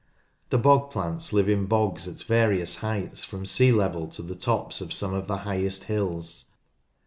The bog plants live in bogs at various heights from sea level to the tops of some of the highest hills.